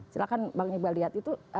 silahkan bang iqbal lihat itu